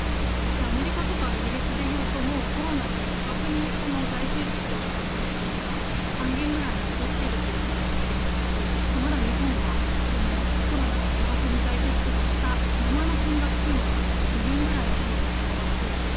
アメリカとかイギリスでいうともうコロナで巨額に財政出動したものというのは半減ぐらいに戻っているといわれますしまだ日本はコロナで巨額に財政支出したままの金額が微減ぐらいの程度にとどまっていると。